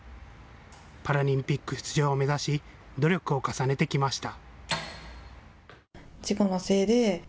パラリンピック出場を目指し努力を重ねてきました。